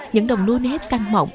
những đồng lúa nếp canh mỏng